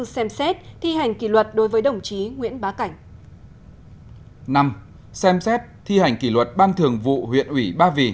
năm xem xét thi hành kỷ luật ban thường vụ huyện ủy ba vì